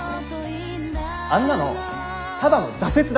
あんなのただの挫折だった。